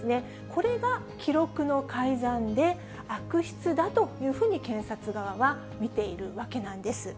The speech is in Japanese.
これが記録の改ざんで、悪質だというふうに検察側は見ているわけなんです。